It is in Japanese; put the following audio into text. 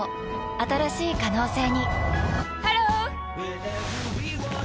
新しい可能性にハロー！